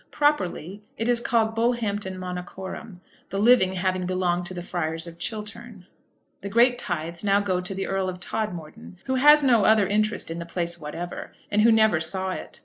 Properly it is called Bullhampton Monachorum, the living having belonged to the friars of Chiltern. The great tithes now go to the Earl of Todmorden, who has no other interest in the place whatever, and who never saw it.